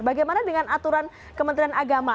bagaimana dengan aturan kementerian agama